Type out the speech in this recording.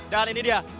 dan ini dia mahal ini